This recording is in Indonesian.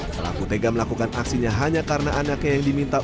pelaku tega melakukan aksinya hanya karena anaknya yang diminta